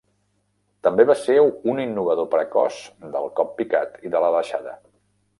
També va ser un innovador precoç del cop picat i de la deixada.